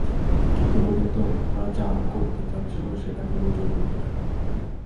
কিন্তু ওদের তোমরা যা করাতে চাচ্ছ সেটা কেবল জোরের উপরে।